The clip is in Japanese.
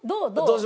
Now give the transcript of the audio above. どう？